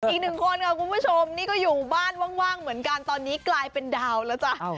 อีกหนึ่งคนค่ะคุณผู้ชมนี่ก็อยู่บ้านว่างเหมือนกันตอนนี้กลายเป็นดาวแล้วจ้ะ